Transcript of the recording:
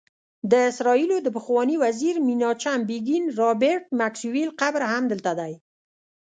د اسرائیلو د پخواني وزیر میناچم بیګین، رابرټ میکسویل قبر هم دلته دی.